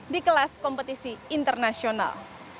di kelas kompetisi internasional